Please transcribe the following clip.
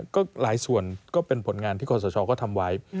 ก็หลายส่วนก็เป็นผลงานที่ขอสชก็ทำไว้